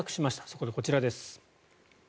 そこでこちらです。